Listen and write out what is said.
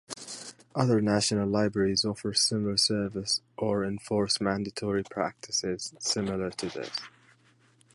Other national libraries offer similar services or enforce mandatory practices similar to this.